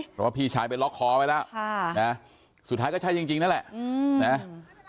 เพราะว่าพี่ชายไปล็อกคอไปแล้วค่ะน่ะสุดท้ายก็ใช่จริงจริงนั่นแหละอืม